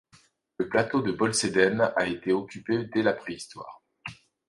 Le plateau de Belcodène a été occupé dès la Préhistoire.